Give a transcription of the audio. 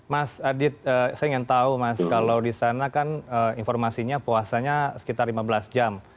mas adit saya ingin tahu mas kalau di sana kan informasinya puasanya sekitar lima belas jam